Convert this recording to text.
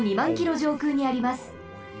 じょうくうにあります。